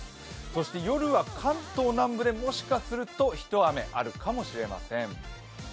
そして夜は関東南部でもしかすると一雨あるかもしれません。